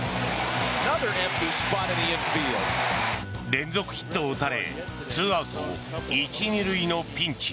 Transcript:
連続ヒットを打たれ２アウト１・２塁のピンチ。